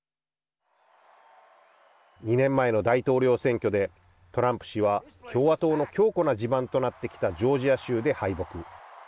２年前の大統領選挙でトランプ氏は共和党の強固な地盤となってきたジョージア州で敗北。